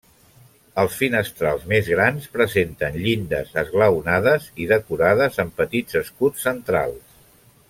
Els finestrals més grans presenten llindes esglaonades i decorades amb petits escuts centrals.